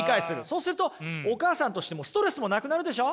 そうするとお母さんとしてもストレスもなくなるでしょ？